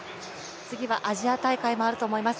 次はアジア大会もあると思います。